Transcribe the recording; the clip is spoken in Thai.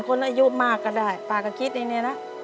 คนอายุมากก็ได้ป้าก็คิดอย่างนี้นะ